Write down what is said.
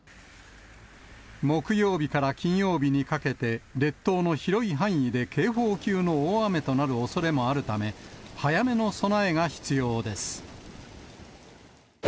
木曜日から金曜日にかけて、列島の広い範囲で警報級の大雨となるおそれもあるため、早めの備えが必要です。